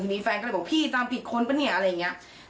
มีแฟนก็เลยบอกพี่ตามผิดคนปะเนี่ยอะไรอย่างนี้